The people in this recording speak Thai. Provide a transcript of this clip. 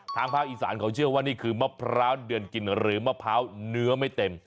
ทางภาคอีสานเขาเชื่อว่านี่คือมะพร้าวเดือนกินหรือมะพร้าวเนื้อไม่เต็ม